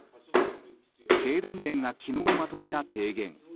経団連が昨日まとめた提言。